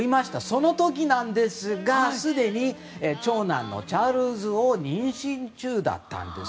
その時なんですがすでに長男のチャールズを妊娠中だったんです。